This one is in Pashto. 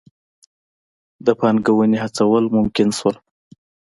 د پانګونې هڅول ممکن شول.